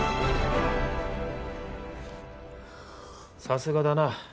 さすがだな。